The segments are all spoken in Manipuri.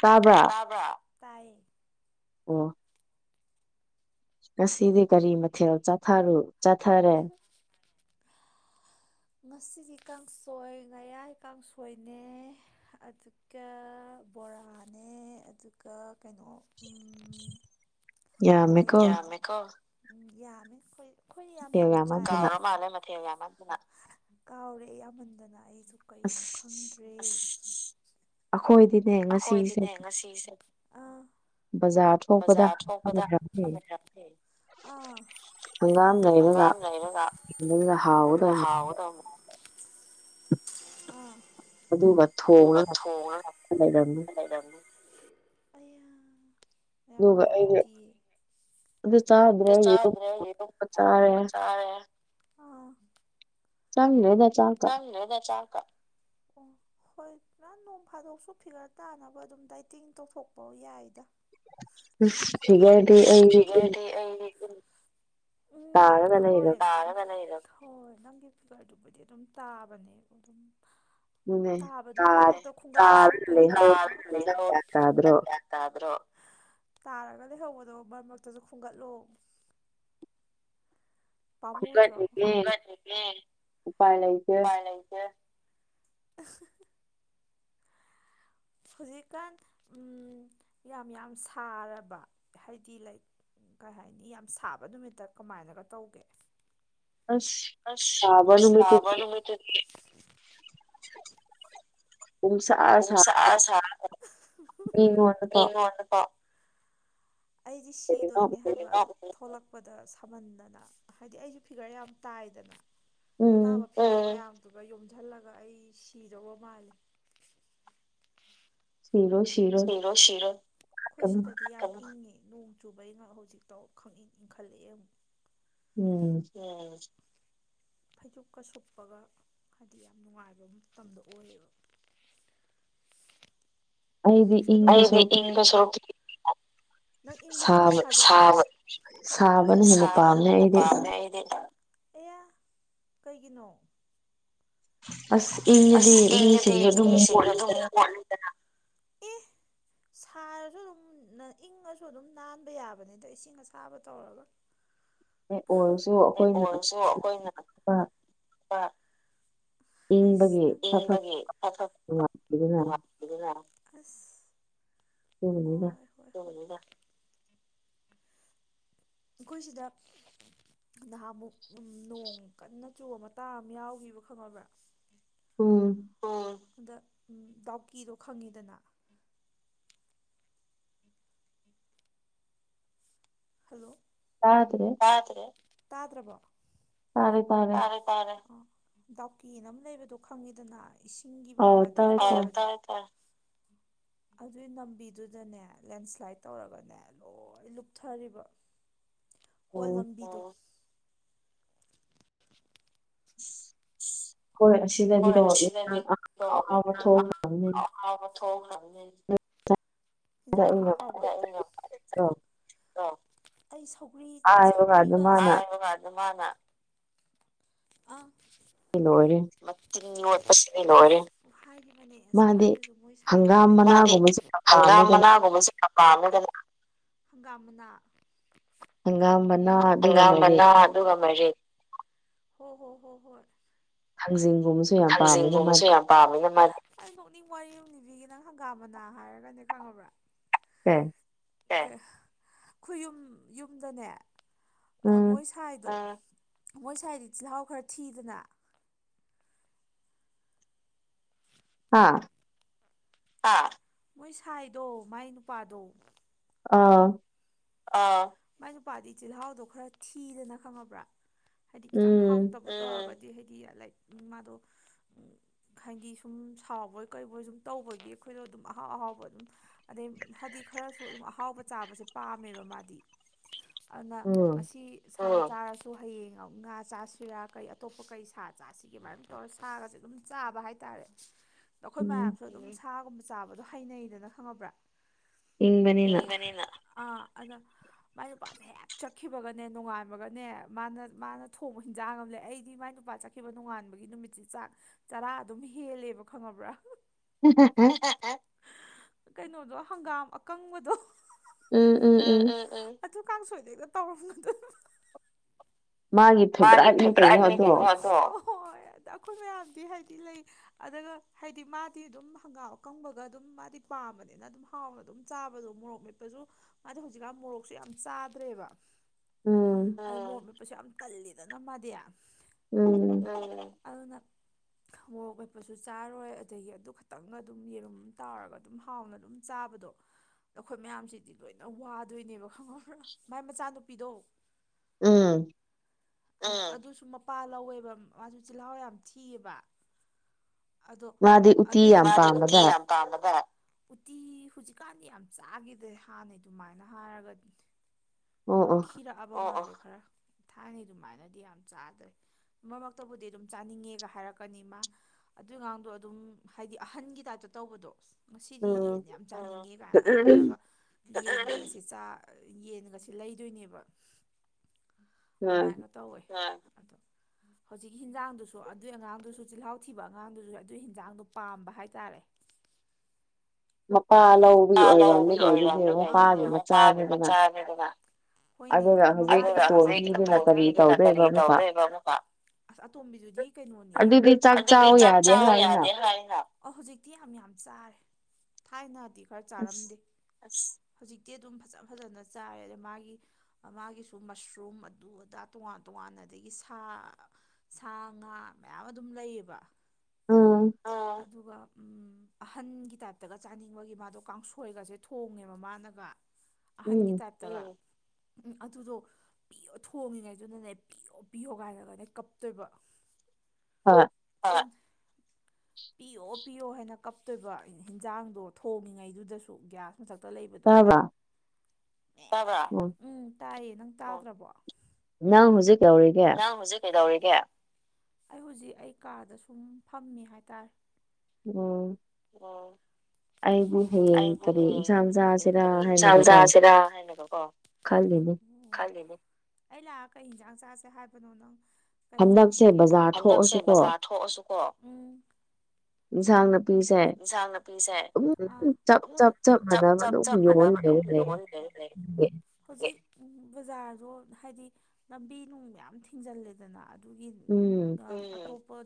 ꯇꯥꯕ꯭ꯔ ꯕ ꯇꯥꯏꯌꯦ ꯑꯣ ꯉꯁꯤꯗꯤ ꯀꯔꯤ ꯃꯊꯦꯜ ꯆꯊꯔ ꯆꯠꯊꯔꯦ ꯉꯁꯤꯗꯤ ꯀꯥꯡꯁꯣꯏ ꯉꯌꯥꯏ ꯀꯥꯡꯁꯣꯏꯅꯦ ꯑꯗꯨꯒ ꯕꯣꯔꯥꯅꯦ ꯑꯗꯨꯒ ꯀꯩꯅꯣ ꯀꯩ ꯌꯥꯃꯦ ꯀꯣ ꯎ ꯌꯥꯃꯦ ꯀ ꯑꯩꯈꯣꯏꯅꯦ ꯌꯥꯝ ꯌꯥꯝ ꯆꯥꯏ ꯀꯥꯎꯔꯦ ꯏ ꯌꯥꯝꯃꯟꯗꯅ ꯑꯩꯁꯨ ꯀꯩꯅꯣ ꯈꯪꯗ꯭ꯔꯦ ꯑꯩꯈꯣꯏꯗꯤꯅꯦ ꯉꯁꯤꯁꯦ ꯁꯤꯁꯦ ꯑ ꯕꯖꯥꯔ ꯊꯣꯛꯄꯗꯦ ꯎ ꯍꯪꯒꯥꯝ ꯂꯩꯔꯒ ꯑꯗꯨ ꯍꯥꯎꯒꯗꯧꯕ ꯑ ꯑꯗꯨꯒꯕ ꯊꯣꯡꯉ ꯂꯩꯔꯝꯅꯦ ꯍꯥꯏꯗ ꯌꯥꯝ ꯅꯨꯡꯉꯥꯏꯇꯦ ꯑꯗꯨ ꯆꯥꯗ꯭ꯔꯦ ꯆꯥꯔꯦ ꯆꯥꯡꯂ ꯌꯥꯆꯥ ꯆꯥꯡꯂ ꯅ ꯆꯥ ꯀ ꯍꯣꯏ ꯅꯥꯟ ꯅꯣꯡ ꯐꯥꯗꯣꯛꯁꯨ ꯐꯤꯒꯔ ꯇꯥꯅꯕ ꯑꯗꯨꯝ ꯗꯥꯏꯇꯤꯡ ꯇꯧꯊꯣꯛꯄ ꯌꯥꯏꯗ ꯎ ꯊꯒꯗꯤ ꯑꯩ ꯑꯩ ꯎꯝ ꯍꯣꯏꯒ ꯍꯣꯏꯣꯏ ꯅꯪꯒꯤ ꯐꯤꯒꯔꯗꯨꯕꯨꯗꯤ ꯑꯗꯨꯝ ꯇꯥꯕꯅꯦ ꯑꯗꯨꯝ ꯇꯥꯕꯗꯨ ꯃꯗ ꯈꯣꯡ ꯐꯩꯕ ꯣ ꯇꯥꯔꯒ ꯂꯩꯍꯧꯕꯗꯣ ꯃꯔꯛ ꯃꯔꯛꯇꯁꯨ ꯈꯣꯒꯠꯂꯣ ꯃꯣꯗ꯭ꯔꯣꯦ ꯎꯄꯥ ꯂꯩ ꯑ ꯍꯧꯖꯤꯛꯀꯥꯟ ꯌꯥꯝ ꯌꯥꯝ ꯁꯥꯔꯕ ꯍꯥꯏꯗꯤ ꯂꯩ ꯀꯩ ꯍꯥꯏꯅꯤ ꯌꯥꯝ ꯁꯥꯕ ꯅꯨꯃꯤꯠꯇ ꯀꯃꯥꯏꯅꯒ ꯇꯧꯒꯦ ꯑꯁ ꯑꯁ ꯁꯥꯕꯅꯃꯤ ꯇꯦ ꯎꯨꯝ ꯁꯥ ꯎ ꯁꯥꯥ ꯁꯥ ꯃꯤꯉ ꯑꯣꯟꯅ ꯄ ꯑꯩꯁꯦ ꯁꯤꯗꯣꯏꯅꯦ ꯍꯥꯏꯕ ꯊꯣꯛꯂꯛꯄꯗ ꯁꯝꯍꯟꯗꯅ ꯍꯥꯏꯗꯤ ꯑꯩꯁꯨ ꯐꯤꯒꯔ ꯌꯥꯝ ꯇꯥꯏꯗꯅ ꯑꯇꯥꯕ ꯐꯤ ꯃꯌꯥꯝꯗꯨꯒ ꯌꯣꯝꯁꯤꯜꯂꯒ ꯑꯩ ꯁꯤꯗꯧꯕ ꯃꯥꯜꯂꯦ ꯁꯤꯔꯣ ꯁꯤꯔꯣ ꯁꯤꯔꯣꯗꯗꯤ ꯑ ꯆꯨꯕꯩ ꯉ ꯍꯧꯖꯤꯛꯇ ꯇꯧ ꯈꯪꯛ ꯏꯪꯈꯠꯂꯛꯑꯦ ꯑꯃꯨꯛ ꯎꯝ ꯎꯝ ꯐꯩꯗꯣꯛꯀ ꯁꯨꯞꯄꯒ ꯍꯥꯏꯗꯤ ꯌꯥꯝ ꯅꯨꯡꯉꯥꯏꯕ ꯃꯇꯝꯗꯣ ꯑꯣꯏꯌꯦꯕ ꯑꯩꯗꯤ ꯏꯒ ꯁꯄ ꯁꯥꯕꯅ ꯍꯦꯟꯅ ꯄꯥꯝꯃꯦ ꯑꯩꯗꯤ ꯑꯦ ꯀꯩꯒꯤꯅꯣ ꯑꯁ ꯏꯅꯗꯤ ꯃꯤꯁꯤꯡꯁꯨ ꯑꯗꯨꯝ ꯃꯣꯠꯂꯤꯗꯅ ꯁꯔ ꯑꯗꯨꯝ ꯏꯪꯉꯁꯨ ꯑꯗꯨꯝ ꯅꯥꯟꯕ ꯌꯥꯕꯅꯤ ꯑꯗ ꯏꯁꯤꯡ ꯑꯁꯥꯕ ꯇꯧꯔꯒ ꯑꯣꯏꯔꯁꯨ ꯑꯩꯈꯣꯏꯅ ꯑꯁ ꯏꯪꯕꯒꯤꯗꯨꯅ ꯑꯁ ꯎꯝ [unintelligible] ꯑꯩꯈꯣꯏ ꯁꯤꯗ ꯅꯍꯥꯟꯃꯨꯛ ꯅꯣꯡ ꯀꯟꯅ ꯆꯨꯕ ꯃꯇꯥꯡ ꯑꯃ ꯌꯥꯎꯈꯤꯌꯦꯕ ꯈꯪꯉꯕ꯭ꯔꯥ ꯎꯝ ꯑꯣ ꯑꯗ ꯗꯥꯎꯀꯤꯗꯣ ꯈꯪꯉꯤꯗꯅ ꯍꯜꯂꯣ ꯇꯗꯔꯦ ꯇꯥꯗꯔꯦ ꯇꯥꯗꯔꯕꯣ ꯑ ꯔꯦ ꯇꯔꯦ ꯗꯥꯎꯀꯤꯦꯅ ꯑꯃ ꯂꯩꯕꯗꯣ ꯈꯪꯉꯤꯗꯅ ꯏꯁꯤꯡꯒꯤ ꯕꯪꯒ꯭ꯂꯥꯗꯦꯁ ꯑꯗꯨꯏ ꯂꯝꯕꯤꯗꯨꯗꯅꯦ ꯂꯦꯟꯁ꯭ꯂꯥꯏꯠ ꯇꯧꯔꯒꯅꯦ ꯂꯣꯏ ꯂꯨꯞꯊꯔꯤꯕ [unintelligible] ꯍꯣꯜ ꯂꯝꯕꯤꯗ [unintelligible] ꯎꯝ ꯑ ꯍꯣꯏ ꯑꯁꯤ ꯍꯣꯏ ꯑꯁꯤꯗꯗꯤ ꯀꯣ ꯏꯟꯁꯥꯡ ꯑꯍꯥꯎ ꯑꯍꯥꯎꯕ ꯊꯣꯛꯈ꯭ꯔꯕꯅꯤ ꯏꯟꯁꯥꯡ ꯑꯍꯥꯎꯕ ꯑꯍꯥꯎꯕ [unintelligible] ꯑꯩ ꯁꯧꯒ꯭ꯔꯤ ꯁꯧꯒ꯭ꯔꯤꯒ ꯍꯥꯏꯕ ꯀꯥꯟꯗ ꯃꯥꯅ ꯑꯥ ꯂꯣꯏꯔꯦ ꯃꯆꯤꯟ ꯑꯣꯠꯄꯁꯤꯗ ꯂꯣꯏꯔꯦ ꯃꯥꯒꯤꯁꯨ ꯃꯣꯏ ꯁꯥꯏꯗ ꯃꯥꯗꯤ ꯍꯪꯒꯥꯝ ꯃꯅꯥꯒꯨꯝꯕꯁꯨ ꯑꯄꯥꯝꯃꯗꯅ ꯍꯪꯒꯥꯝ ꯃꯨꯅꯥ ꯍꯒꯥꯥꯡꯝ ꯃꯅꯥ ꯍꯪꯒꯥꯝ ꯃꯅꯥ ꯑꯗꯨꯒ ꯃꯔꯦꯟ ꯍꯣ ꯍꯣ ꯍꯣꯏ ꯊꯥꯡꯖꯤꯡꯒꯨꯝꯕꯁꯨ ꯊꯥꯡꯖꯤꯡꯒꯨꯝꯕꯁꯨ ꯌꯥꯝ [unintelligible] ꯑꯩ ꯅꯣꯛꯅꯤꯡ ꯋꯥꯔꯤꯕ ꯑꯃ ꯂꯤꯕꯤꯒꯦ ꯅꯪ ꯍꯪꯒꯥꯝ ꯃꯅꯥ ꯍꯥꯏꯔꯒꯅꯦ ꯈꯪꯉꯕ꯭ꯔꯥ ꯑꯦ ꯈꯨꯌꯨꯝ ꯌꯨꯝꯗꯅꯦ ꯑ ꯃꯣꯏ ꯁꯥꯏꯗꯣ ꯃꯣꯏ ꯁꯥꯏꯗꯤ ꯆꯤꯜꯍꯥꯎ ꯈꯔ ꯊꯤꯗꯅ ꯍꯥꯥ ꯃꯣꯏ ꯁꯥꯏꯗꯣ ꯃꯥꯏ ꯅꯨꯄꯥꯗꯣ ꯑꯥ ꯑꯥ ꯃꯥꯏ ꯅꯨꯄꯥꯗꯤ ꯆꯤꯜꯍꯥꯎꯗꯣ ꯈꯔ ꯊꯤꯗꯅ ꯈꯪꯉꯕ꯭ꯔꯥ ꯍꯥꯏꯗꯤ ꯈꯤꯇꯪ ꯍꯥꯎ [unintelligible] ꯍꯥꯏꯗꯤ ꯂꯥꯏꯛ ꯃꯥꯗꯣ ꯍꯥꯏꯗꯤ ꯁꯨꯝ ꯁꯥꯎꯕꯣꯏ ꯀꯩꯕꯣꯏ ꯁꯨꯝ ꯇꯧꯕꯒꯤ ꯑꯩꯈꯣꯏꯗꯣ ꯑꯗꯨꯝ ꯑꯍꯥꯎ ꯑꯍꯥꯎꯕ ꯑꯗꯨꯝ ꯑꯗꯩ ꯍꯥꯏꯗꯤ ꯈꯔꯁꯨ ꯑꯍꯥꯎꯕ ꯆꯥꯕꯁꯦ ꯄꯥꯝꯃꯦꯕ ꯃꯥꯗꯤ ꯑꯗꯨꯅ ꯉꯁꯤ ꯉꯥ ꯆꯥꯔꯁꯨ ꯍꯌꯦꯡ ꯑꯃꯨꯛ ꯉꯥ ꯆꯥꯁꯤꯔ ꯀꯩ ꯑꯇꯣꯞꯄ ꯀꯩ ꯁꯥ ꯆꯥꯅꯤ ꯑꯁꯤꯒꯤꯃꯥꯏꯅ ꯇꯧꯔ ꯁꯥꯒꯁꯦ ꯑꯗꯨꯝ ꯆꯥꯕ ꯍꯥꯏꯇꯥꯔꯦ ꯑꯩꯈꯣꯏ ꯃꯌꯥꯝꯁꯨ ꯑꯗꯨꯝ ꯁꯥꯒꯨꯝꯕ ꯆꯥꯕꯗꯣ ꯍꯩꯅꯩꯗꯅ ꯈꯪꯉꯕ꯭ꯔꯥ ꯏꯡꯕꯅꯤꯅ ꯑ ꯑꯗ ꯃꯥꯏ ꯅꯨꯄꯥꯁꯦ ꯍꯦꯛ ꯆꯠꯈꯤꯕꯒꯅꯦ ꯅꯣꯉꯥꯟꯕꯒꯅꯦ ꯃꯥꯅ ꯃꯥꯅ ꯊꯣꯡꯕ ꯍꯤꯟꯖꯥꯡ ꯑꯃꯂ ꯑꯩꯗꯤ ꯃꯥꯏ ꯅꯨꯄꯥ ꯆꯠ ꯈꯤꯕ ꯅꯣꯡꯉꯥꯟꯕꯒꯤ ꯅꯨꯃꯤꯠꯁꯤ ꯆꯥꯛ ꯆꯔꯥ ꯑꯗꯨꯝ ꯍꯦꯜꯂꯦꯕ ꯈꯪꯉꯕ꯭ꯔꯥ [unintelligible] ꯍꯦ ꯍꯦ ꯀꯩꯅꯣꯗꯣ ꯍꯪꯒꯥꯝ ꯑꯀꯪꯕꯗꯣ ꯑꯦ ꯑꯦ ꯑꯦ ꯑꯊꯨ ꯀꯥꯡ ꯁꯣꯏꯗꯩꯗ ꯇꯧꯔꯕꯝꯗ ꯃꯥꯒꯤ ꯐꯦꯚꯥꯏꯠꯅꯤ ꯀꯩꯅꯣ ꯑꯗꯣ ꯍꯣꯏ ꯑꯗ ꯑꯩꯈꯣꯏ ꯃꯌꯥꯝꯗꯤ ꯍꯥꯏꯗꯤ ꯂꯩ ꯑꯗꯨꯒ ꯍꯥꯏꯗꯤ ꯃꯥꯗꯤ ꯑꯗꯨꯝ ꯍꯪꯒꯥꯥꯎꯀꯪꯕꯒ ꯑꯗꯨꯝ ꯃꯥꯗꯤ ꯄꯥꯝꯕꯅꯤꯅ ꯑꯗꯨꯝ ꯍꯥꯎꯅ ꯑꯗꯨꯝ ꯆꯥꯕꯗꯣ ꯃꯣꯔꯣꯛ ꯃꯦꯠꯄꯁꯨ ꯃꯥꯗꯤ ꯍꯧꯖꯤꯛꯀꯥꯟ ꯃꯣꯔꯣꯛꯁꯨ ꯌꯥꯝ ꯆꯥꯗ꯭ꯔꯦꯕ ꯑꯣ ꯃꯄꯩꯁꯨ ꯌꯥꯝ ꯇꯜꯂꯤꯗꯅ ꯃꯥꯗꯤ ꯎꯝꯝ ꯑꯗꯨꯅ ꯈꯣꯔꯣꯛ ꯈꯠꯄꯁꯨ ꯆꯥꯔꯣꯏ ꯑꯗꯒꯤ ꯑꯗꯨ ꯈꯛꯇꯪꯒ ꯑꯗꯨꯝ ꯌꯦꯔꯨꯝ ꯇꯥꯔꯒ ꯍꯥꯎꯅ ꯑꯗꯨꯝ ꯆꯥꯕꯗꯣ ꯑꯩꯈꯣꯏ ꯃꯌꯥꯝꯁꯤꯗꯤ ꯂꯣꯏꯅ ꯋꯥꯗꯣꯏꯅꯦꯕ ꯈꯪꯉꯕ꯭ꯔꯥ ꯃꯥꯏ ꯃꯆꯥꯅꯨꯄꯤꯗꯣ ꯎꯝ ꯑꯗꯨꯁꯨ ꯃꯄꯥ ꯂꯧꯋꯦꯕ ꯃꯥꯁꯨ ꯆꯤꯜꯍꯥꯎ ꯌꯥꯝ ꯊꯤꯌꯦꯕ ꯑꯗꯣ ꯃꯥꯗꯤ ꯎꯠꯇꯤ ꯌꯥꯝ ꯄꯥꯝꯃꯗꯔ ꯎꯇꯤ ꯍꯧꯖꯤꯛꯀꯥꯟꯗꯤ ꯌꯥꯝ ꯆꯥꯈꯤꯗ꯭ꯔꯦ ꯍꯥꯟꯅꯩ ꯑꯗꯨꯃꯥꯏꯅ ꯍꯥꯏꯔꯒ ꯃ ꯈꯤꯔꯛꯑꯕ ꯃꯥꯗꯣ ꯈꯔ ꯊꯥꯏꯅꯩ ꯑꯗꯨꯃꯥꯏꯅꯗꯤ ꯌꯥꯝ ꯆꯥꯗ꯭ꯔꯦ ꯃꯔꯛ ꯃꯔꯛꯇꯕꯨꯗꯤ ꯑꯗꯨꯝ ꯆꯥꯅꯤꯡꯉꯦꯒ ꯍꯥꯏꯔꯛꯀꯅꯤ ꯃꯥ ꯑꯗꯨꯏꯒꯥꯡꯗꯣ ꯑꯗꯨꯝ ꯍꯥꯏꯗꯤ ꯑꯍꯟꯒꯤ ꯇꯥꯏꯞꯇ ꯇꯧꯕꯗꯣ ꯉꯁꯤꯗꯤ ꯌꯦꯟ ꯌꯥꯝ ꯆꯥꯅꯤꯡꯉꯦ ꯀꯥꯏꯅꯒ ꯍꯥꯏꯔꯒꯁꯤ ꯆꯥ ꯌꯦꯟꯒꯁꯤ ꯁꯤ ꯂꯩꯗꯣꯏꯅꯦꯕ ꯑꯗꯨꯃꯥꯏꯅ ꯇꯧꯋꯦ ꯑꯗꯣ [unintelligible] ꯍꯧꯖꯤꯛꯀꯤ ꯍꯤꯟꯖꯥꯡꯗꯨꯁꯨ ꯑꯗꯨꯒꯤ ꯑꯉꯥꯡꯗꯨꯁꯨ ꯆꯤꯜꯍꯥꯎ ꯊꯤꯕ ꯑꯉꯥꯡꯗꯨꯁꯨ ꯑꯗꯨꯒꯤ ꯍꯤꯟꯖꯥꯡꯗꯣ ꯄꯥꯝꯕ ꯍꯥꯏꯇꯥꯔꯦ ꯑꯗꯨꯒꯤ ꯂꯧꯕꯒꯤ ꯑꯣꯏꯔꯝꯅꯦ ꯀꯅꯦ ꯃꯄꯥꯅꯦ ꯃꯆꯥꯅꯦꯗꯅ ꯑꯗꯨꯒ ꯍꯧꯖꯤꯛ ꯑꯇꯣꯝꯕꯤꯗꯨꯅ ꯀꯔꯤ ꯇꯧꯗꯣꯏꯕ ꯑꯃꯀ ꯑꯇꯣꯝꯕꯤꯗꯨꯗꯤ ꯀꯩꯅꯣꯅꯦ ꯑꯗꯨꯗꯤ ꯆꯥꯛ ꯆ ꯌꯥꯗꯦ ꯍꯥꯏꯅ ꯑꯧ ꯍꯧꯖꯤꯛꯇꯤ ꯌꯥꯝ ꯌꯥꯝ ꯆꯥꯔꯦ ꯊꯥꯏꯅꯗꯤ ꯈꯔ ꯆꯥꯔꯝꯗꯦ ꯑꯁ ꯍꯧꯖꯤꯛꯇꯤ ꯑꯗꯨꯝ ꯐꯖ ꯐꯖꯅ ꯆꯥꯏꯔꯦ ꯑꯗ ꯃꯥꯒꯤ ꯃꯥꯒꯤꯁꯨ ꯃꯁꯔꯨꯝ ꯑꯗꯨ ꯑꯗꯥ ꯇꯣꯉꯥꯟ ꯇꯣꯉꯥꯟꯅ ꯑꯗꯒꯤ ꯁꯥ ꯁꯥ ꯉꯥ ꯃꯌꯥꯝ ꯑꯗꯨꯝ ꯂꯩꯌꯦꯕ ꯑꯣ ꯑꯗꯨꯒ ꯎꯝ ꯑꯍꯟꯒꯤ ꯇꯥꯏꯞꯇꯒ ꯆꯥꯅꯤꯡꯕꯒꯤ ꯃꯥꯗꯣ ꯀꯥꯡꯁꯣꯏꯒꯁꯦ ꯊꯣꯡꯉꯦꯕ ꯃꯥꯅꯒ ꯍꯟꯒꯤ ꯇꯥꯏꯇ ꯎ ꯑꯗꯨꯗꯣ ꯄꯤꯌꯣ ꯊꯣꯡꯉꯤꯉꯩꯗꯨꯅꯅꯦ ꯄꯤꯌꯣ ꯄꯤꯌꯣ ꯀꯥꯏꯅꯒꯅꯦ ꯀꯞꯇꯣꯏꯕ ꯍ ꯍ ꯄꯤꯌꯣ ꯄꯤꯌꯣ ꯍꯥꯏꯅ ꯀꯞꯇꯣꯏꯕ ꯍꯤꯟꯖꯥꯡꯗꯣ ꯊꯣꯡꯉꯤꯉꯩꯗꯨꯗꯁꯨ ꯒ꯭ꯌꯥꯁ ꯃꯊꯛꯇ ꯂꯩꯕꯗ ꯋꯥ ꯭ꯔ ꯎꯝ ꯇꯥꯏꯌꯦ ꯅꯪ ꯇꯥꯗ꯭ꯔꯕꯣ ꯅ ꯍꯧꯖꯤꯛ ꯅꯍꯥꯡ ꯍꯧꯖꯤꯛ ꯀꯩꯗꯧꯔꯤꯒꯦ ꯑꯩ ꯍꯧꯖꯤꯛ ꯑꯩ ꯀꯥꯔꯗ ꯁꯨꯝ ꯐꯝꯃꯤ ꯍꯥꯏꯇꯥꯔꯦ ꯑꯣꯝ ꯑꯣ ꯑꯩꯗꯤ ꯍꯌꯦꯡ ꯀꯔꯤ ꯏꯟꯁꯥꯡ ꯖꯥꯁꯤꯔ ꯍꯥꯏꯕꯀꯣ ꯈꯜꯦꯅꯦ ꯑꯩ ꯂꯥꯛꯑ ꯀꯩ ꯌꯦꯟꯁꯥꯡ ꯆꯥꯁꯦ ꯍꯥꯏꯕꯅꯣ ꯅꯪ ꯀꯩ ꯆꯥꯅꯤꯡꯒꯦ ꯍꯥꯏꯔ ꯍꯟꯗꯛꯁꯦ ꯕꯖꯥꯔ ꯊꯣꯛꯑꯁꯨ ꯀꯣ ꯎꯝ ꯁꯥꯡ ꯅꯨꯄꯤꯁꯦ ꯑꯗꯨꯝ ꯆꯞ ꯆꯞ ꯆꯞ ꯃꯥꯟꯅꯕ ꯑꯗꯨꯝ ꯌꯣꯟ ꯂꯩ ꯂꯩ ꯎꯝ ꯍꯧꯖꯤꯛ ꯕꯖꯥꯔꯗꯣ ꯍꯥꯏꯗꯤ ꯂꯝꯕꯤ ꯅꯨꯡ ꯃꯌꯥꯝ ꯊꯤꯡꯖꯤꯜꯂꯦꯗꯅ ꯑꯗꯨꯒꯤ ꯑꯇꯣꯞꯄ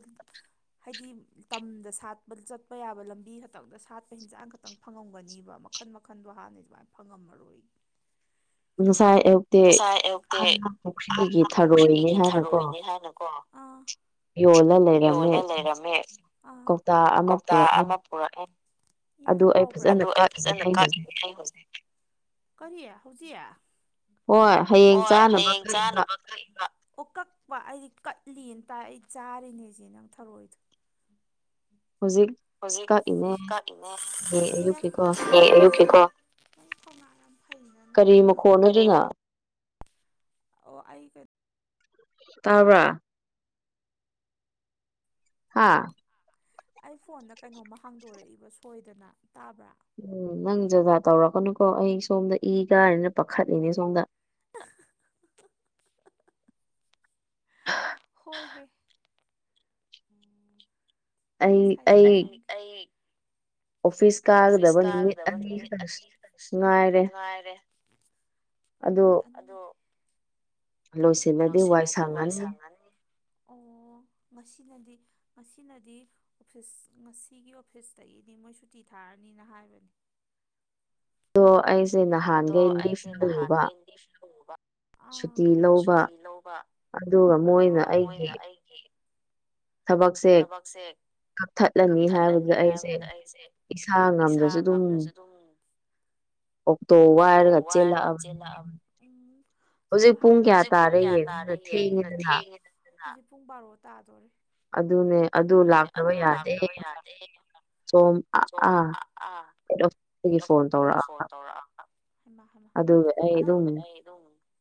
ꯍꯥꯏꯗꯤ ꯇꯝꯗ ꯁꯥꯠꯄ ꯆꯠꯄ ꯂꯄ ꯌꯥꯕ ꯂꯝꯕꯤ ꯈꯛꯇꯗ ꯁꯥꯠꯄ ꯍꯤꯟꯖꯥꯡ ꯈꯛꯇꯪ ꯐꯪꯉꯝꯒꯅꯤꯕ ꯃꯈꯟ ꯃꯈꯟꯗꯣ ꯍꯥꯟꯅꯩ ꯑꯗꯨꯃꯥꯏꯅ ꯐꯪꯉꯝꯃꯔꯣꯏ ꯉꯁꯥꯏ ꯑꯌꯨꯛꯇꯤ ꯑ ꯄꯨꯈ꯭ꯒꯤꯒꯤ ꯊꯔꯣꯏꯅꯦ ꯍꯥꯏꯅꯀꯣ ꯍꯥꯏꯅꯀꯣ ꯌꯣꯜꯂ ꯂꯩꯔꯝꯃꯦ ꯀꯧꯇꯥ ꯑꯃ ꯄꯨꯔꯛꯑꯦ ꯍꯕ꯭ꯔ ꯐꯖ ꯀꯔꯤ ꯍꯧꯖꯤꯛ ꯍꯣꯏ ꯍꯌꯦꯡ ꯆꯥꯅꯕ ꯀꯛꯏꯕ ꯑꯣ ꯀꯛꯄ ꯑꯩꯗꯤ ꯀꯠꯂꯤꯅ ꯇꯥꯏ ꯑꯩ ꯆꯥꯔꯤꯅꯦꯁꯦ ꯅꯪ ꯊꯧꯔꯣꯏꯗꯣ ꯍꯧꯖꯤꯛ ꯍꯧꯖꯤꯛ ꯀꯛꯏꯅꯦ ꯌꯌꯨꯀꯤꯀꯣ ꯀꯔꯤ ꯃꯈꯣꯟꯅꯣꯗꯅ ꯑꯣ ꯑ ꯀ ꯇꯥꯕ꯭ꯔꯥ ꯍꯥꯥ ꯑꯩ ꯐꯣꯟꯗ ꯀꯩꯅꯣꯝꯃ ꯍꯥꯡꯗꯣꯔꯛꯏꯕ ꯁꯣꯏꯗꯅ ꯇꯥꯕ꯭ꯔꯥ ꯎꯝ ꯅꯪ ꯖꯥꯗꯥ ꯇꯧꯔꯛꯀꯅꯨꯀꯣ ꯑꯩ ꯁꯣꯝꯗ ꯏ ꯀꯥꯏꯅ ꯄꯥꯈꯠꯂꯤꯅꯦ ꯁꯣꯝꯗ [unintelligible] [inaudible] ꯑꯩ ꯑꯩ ꯑꯣꯐꯤꯁ ꯑꯣꯐꯤꯁ ꯀꯥꯒꯗꯕ ꯅꯨꯃꯤꯠ ꯑꯅꯤ ꯈꯛꯇꯪ ꯉꯥꯏꯔꯦ ꯎ ꯑꯗꯣ ꯂꯣꯏꯁꯤꯜꯂꯗꯤ ꯋꯥꯏ ꯁꯪꯉꯅꯤ ꯃꯁꯤꯅꯗꯤ ꯉꯁꯤꯅꯗꯤ ꯑꯣꯐꯤꯁ ꯉꯁꯤꯒꯤ ꯑꯣꯐꯤꯁꯇꯒꯤꯗꯤ ꯃꯣꯏ ꯁꯨꯇꯤ ꯊꯥꯔꯅꯤꯅ ꯍꯥꯏꯕꯅꯤ ꯣ ꯑꯩ ꯑꯗꯣ ꯑꯩꯁꯦ ꯅꯍꯥꯟꯒꯗꯤꯐ ꯂꯧꯕ ꯁꯨꯇꯤ ꯂꯧꯕ ꯑꯗꯨꯒ ꯃꯣꯏꯅ ꯑꯩꯒꯤ ꯊꯕꯛꯁꯦ ꯀꯛꯊꯠꯂꯅꯤ ꯍꯥꯏꯕꯗꯨꯗ ꯑꯩꯁꯦ ꯏꯁꯥ ꯉꯝꯗ꯭ꯔꯁꯨ ꯑꯗꯨꯝ ꯑꯣꯛꯇꯣ ꯑꯣꯛꯇꯣ ꯋꯥꯏꯔꯒ ꯆꯦꯜꯂꯛꯑꯕꯅꯤ ꯎꯝ ꯑꯗꯨ ꯍꯥꯏꯔ ꯄꯨꯡꯌꯥ ꯇꯥꯔꯦꯦꯡ ꯄꯨꯡ ꯕꯥꯔꯣ ꯇꯥꯗꯣꯔꯦ ꯑꯗꯨꯅꯦ ꯑꯗꯨꯅꯦ ꯑꯗꯨ ꯂꯥꯛꯇꯕ ꯌꯥꯗꯦ ꯁꯣꯝ ꯑꯥꯤꯁ ꯐꯣꯟ ꯇꯧꯔꯛ [inaudible] ꯑ ꯑꯦ ꯑꯗꯨꯝ ꯑꯗꯨꯣ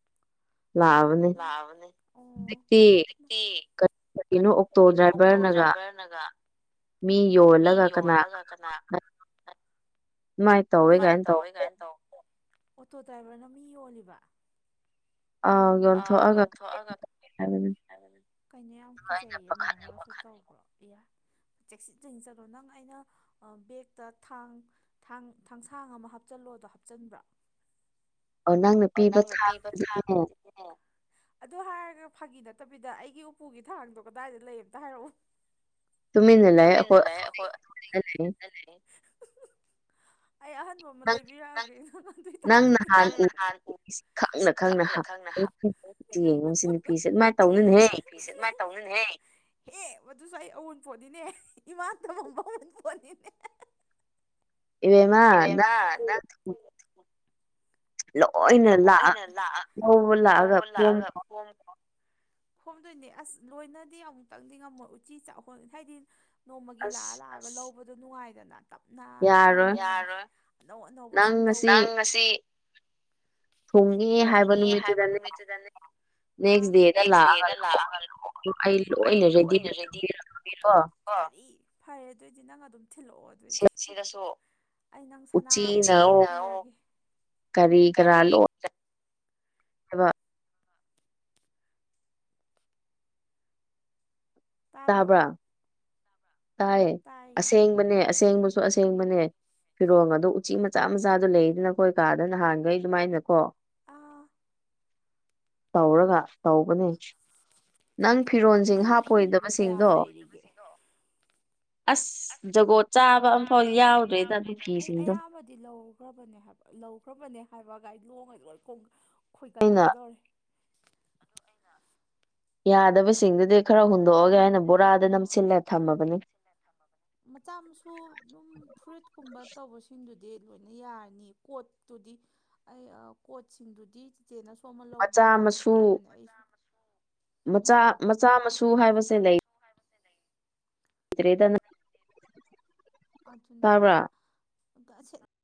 ꯂ ꯂꯕꯅꯤꯠꯇ ꯀꯒꯤꯅꯣ ꯑꯣꯛꯇꯣ ꯗ꯭ꯔꯥꯏꯚꯔꯅꯒ ꯃꯤ ꯌꯣꯜꯂꯒ ꯀꯅꯥ ꯑꯗꯨꯃꯥꯏꯅ ꯇꯧꯋꯦ ꯀꯥꯏꯅ ꯇꯧ ꯀ ꯇꯣ ꯑꯣꯇꯣ ꯗ꯭ꯔꯥꯏꯚꯔꯅ ꯃꯤ ꯌꯣꯜꯂꯤꯕ ꯑꯒꯜ ꯊꯣ ꯑꯒꯜ ꯀꯥꯏꯅ ꯀꯖ ꯇ꯭ꯔꯣ ꯏ ꯆꯦꯛꯁꯤ ꯆꯪꯖꯈ꯭ꯔꯣ ꯅꯪ ꯑꯩꯅ ꯕꯦꯛꯇ ꯊꯥꯡ ꯊꯥꯡ ꯊꯥꯡꯁꯥꯡ ꯑꯃ ꯍꯥꯞꯆꯜꯂꯣꯗꯣ ꯍꯥꯞꯆꯤꯟꯕ꯭ꯔꯥ ꯑꯣ ꯅꯪꯅ ꯄꯤꯕ ꯊꯥꯕꯗꯤꯅꯦ ꯑꯗꯨ ꯍꯥꯏꯔꯒ ꯐꯥꯒꯤ ꯅꯠꯇꯕꯤꯗ ꯑꯩꯒꯤ ꯎꯄꯨꯒꯤ ꯊꯥꯡꯗꯣ ꯀꯗꯥꯏꯗ ꯂꯩ ꯑꯝꯇ ꯍꯥꯏꯔꯛꯎ ꯅꯂ ꯑ ꯑꯍ ꯂꯩꯕꯤ ꯌꯥꯒ ꯑꯗꯨ ꯄꯨ ꯈꯪꯅ ꯈꯪꯅ ꯌꯦꯡꯉꯣꯨꯝ ꯁꯤ ꯅꯨꯄꯤꯤꯁꯦ ꯑꯗꯨꯃꯥꯏꯅ ꯇꯧꯅꯅꯦꯍꯦ ꯁꯦ ꯃꯥ ꯇꯧꯅꯍꯦ ꯍꯦ ꯃꯗꯨꯁꯨ ꯑꯩ ꯑꯋꯟꯄꯣꯗꯤꯅꯦ ꯏꯃꯥꯟꯗꯕꯕ ꯑꯎꯟ ꯄꯣꯅꯤꯅꯦ ꯏꯕꯦꯃ ꯂꯣꯏꯅ ꯂꯥꯛꯑ ꯂꯧꯕ ꯂꯥꯛꯑꯒ ꯐꯣꯝ ꯀꯣ ꯊꯣꯝꯗꯣꯏꯅꯦ ꯑꯁ ꯂꯣꯏꯅꯗꯤ ꯑꯃꯨꯛꯇꯪꯗꯤ ꯉꯝꯃꯣꯏ ꯎꯆꯤ ꯆꯥꯛꯍꯣꯟ ꯍꯥꯏꯗꯤ ꯅꯣꯡꯃꯒꯤ ꯂꯥꯛꯑ ꯂꯥꯛꯑꯒ ꯂꯧꯕꯗꯣ ꯅꯨꯡꯉꯥꯏꯗꯅ ꯇꯞꯅ ꯇꯞꯅ ꯅꯨꯡꯉ ꯑꯅꯧ ꯑꯅꯧꯕ ꯁꯨꯝ ꯂꯧ ꯊꯣꯡꯉꯦ ꯍꯥꯏꯕ ꯅꯨꯃꯤꯠꯇꯨꯗꯅꯦ ꯎ ꯅꯦꯛꯁ ꯗꯦꯗ ꯂꯥꯛꯑꯒ ꯂꯥꯛꯑꯣ ꯑ ꯑꯩ ꯂꯣꯏꯅ ꯔꯦꯗꯤꯒ ꯊꯥꯕꯤꯔꯛꯃ ꯑ ꯏ ꯐꯔꯦ ꯑꯗꯨꯑꯣꯏꯗꯤ ꯅꯪ ꯑꯗꯨꯝ ꯊꯤꯜꯂꯛꯑꯣ ꯑꯗꯨꯏꯗꯤ ꯁꯤꯗꯁꯨ ꯑꯩ ꯅꯪ ꯁꯅꯥ ꯀꯔꯤꯒꯔꯥ ꯂ ꯑꯕ ꯇꯥꯕ꯭ꯔꯥ ꯇꯥꯏ ꯑꯁꯦꯡꯕꯅꯦ ꯑꯁꯦꯡꯕꯁꯨ ꯑꯁꯦꯡꯕꯅꯦ꯫ ꯐꯤꯔꯣꯜꯒꯗꯣ ꯎꯆꯤ ꯃꯆꯥ ꯃꯆꯥꯗꯣ ꯂꯩꯗꯅ ꯑꯩꯈꯣꯏ ꯀꯥꯗ ꯅꯍꯥꯟꯈꯩ ꯑꯗꯨꯃꯥꯏꯅꯀꯣ꯫ ꯑꯥ꯫ ꯇꯧꯔꯒ ꯇꯧꯕꯅꯦ ꯅꯪ ꯐꯤꯔꯣꯟꯜꯁꯤꯡ ꯍꯥꯞꯄꯣꯏꯗꯕꯁꯤꯡꯗꯣ꯫ [unintelligible] ꯑꯁ ꯖꯒꯣꯠ ꯆꯥꯕ ꯑꯃꯐꯥꯎ ꯌꯥꯎꯗ꯭ꯔꯦꯗ ꯑꯗꯨ ꯐꯤꯁꯤꯡꯗꯣ꯫ ꯗꯤ ꯂꯧꯈ꯭ꯔꯕꯅꯦ ꯍꯥꯏꯕ ꯂꯧꯈ꯭ꯔꯕꯅꯦ ꯍꯥꯏꯕꯒ ꯑꯩ ꯂꯣꯡꯒ ꯂꯣꯏ ꯈꯣꯏꯒꯠꯂꯛꯀꯗꯧꯔꯦ꯫ ꯌꯥꯗꯕꯁꯤꯡꯗꯨꯗꯤ ꯈꯔ ꯍꯨꯟꯗꯣꯛꯑꯒꯦ ꯍꯥꯏꯅ ꯕꯣꯔꯥꯗ ꯅꯝꯁꯤꯜꯂꯦ ꯊꯝꯃꯕꯅꯤ꯫ ꯃꯆꯥ ꯃꯁꯨ ꯑꯗꯨꯝ ꯐꯨꯔꯤꯠ ꯀꯨꯝꯕ ꯇꯧꯕꯁꯤꯡꯗꯨꯗꯤ ꯂꯣꯏꯅ ꯌꯥꯔꯅꯤ ꯀꯣꯠꯇꯨꯗꯤ ꯑꯩ ꯀꯣꯆꯁꯤꯡꯗꯨꯗꯤ ꯆꯤꯆꯦꯅ ꯁꯣ ꯑꯃ ꯂꯧꯒꯦ ꯀꯥꯏꯅꯒ ꯍꯥꯏꯕꯅꯦ ꯑꯩꯁꯨ ꯃꯆꯥ ꯃꯆꯥ ꯃꯁꯨ ꯍꯥꯏꯕꯁꯦ ꯂꯩ ꯍꯥꯏꯕꯁ ꯂꯩꯦ ꯖꯔꯦꯗ ꯅ ꯑ ꯑꯗꯨꯅꯤꯁ